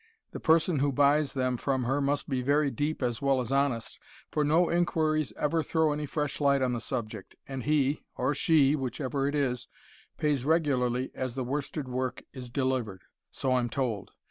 The person who buys them from her must be very deep as well as honest, for no inquiries ever throw any fresh light on the subject, and he or she, whichever it is pays regularly as the worsted work is delivered so I'm told!